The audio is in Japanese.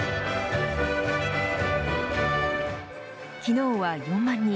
昨日は４万人